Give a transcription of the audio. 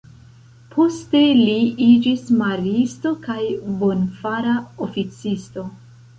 Poste, li iĝis Maristo kaj Bonfara Oficisto.